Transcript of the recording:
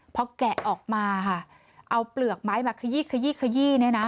พอแกะออกมาเอาเปลือกไม้มาขยี้นี่นะ